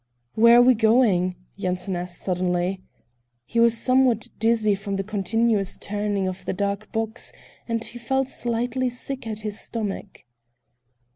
"Where are we going?" Yanson asked suddenly. He was somewhat dizzy from the continuous turning of the dark box and he felt slightly sick at his stomach.